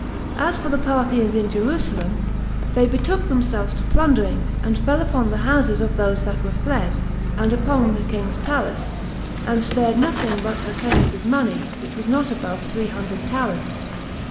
As for the Parthians in Jerusalem, they betook themselves to plundering, and fell upon the houses of those that were fled, and upon the king's palace, and spared nothing but Hyrcanus's money, which was not above three hundred talents.